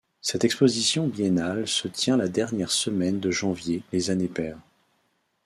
Cette exposition biennale se tient la dernière semaine de janvier les années paires.